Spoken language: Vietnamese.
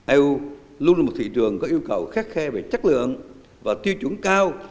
eu luôn là một thị trường có yêu cầu khắc khe về chất lượng và tiêu chuẩn cao